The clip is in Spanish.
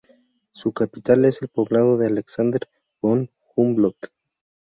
Su capital es el poblado de Alexander von Humboldt.